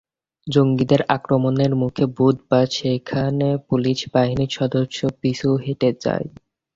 জঙ্গিদের আক্রমণের মুখে বুধবার সেখানে পুলিশ বাহিনীর সদস্যরা পিছু হটে যায়।